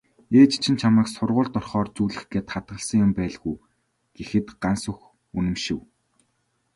"Ээж чинь чамайг сургуульд орохоор зүүлгэх гээд хадгалсан юм байлгүй" гэхэд Гансүх үнэмшив.